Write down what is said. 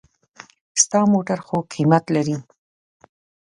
ستا موټر خو قېمت لري.